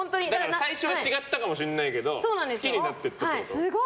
最初は違ったかもしれないけど好きになっていったってこと。